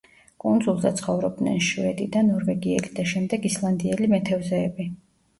კუნძულზე ცხოვრობდნენ შვედი და ნორვეგიელი და შემდეგ ისლანდიელი მეთევზეები.